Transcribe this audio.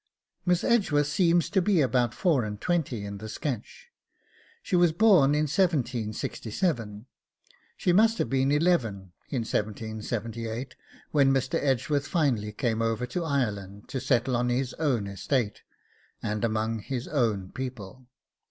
Miss Edgeworth seems to be about four and twenty in the sketch; she was born in 1767; she must have been eleven in 1778, when Mr. Edgeworth finally came over to Ireland to settle on his own estate, and among his own people.